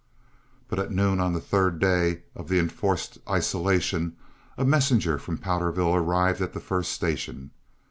But at noon on the third day of the enforced isolation, a messenger from Powderville arrived at the first station.